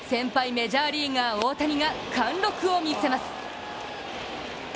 メジャーリーガー・大谷が貫禄を見せます。